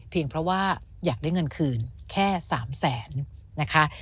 เพราะว่าอยากได้เงินคืนแค่๓แสนนะคะ